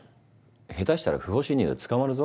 下手したら不法侵入で捕まるぞ。